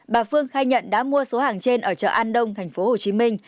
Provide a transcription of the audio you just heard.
bà phương khai nhận đã mua số hàng trên ở chợ an đông thành phố hồ chí minh